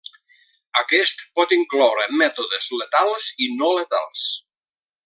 Aquest pot incloure mètodes letals i no letals.